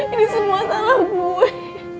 ini semua salah gue